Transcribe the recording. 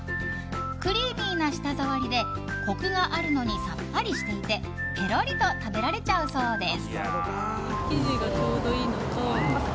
クリーミーな舌触りでコクがあるのにさっぱりしていてぺろりと食べられちゃうそうです。